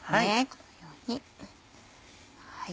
このように。